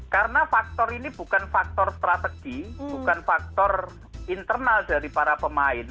karena faktor ini bukan faktor strategi bukan faktor internal dari para pemain